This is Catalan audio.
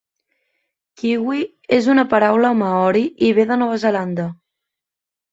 Kiwi és una paraula maori i ve de Nova Zelanda.